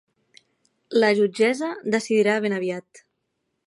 La jutgessa decidirà ben aviat.